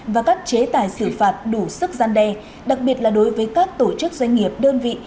và các chế tài xử phạt đủ sức gian đe đặc biệt là đối với các tổ chức doanh nghiệp đơn vị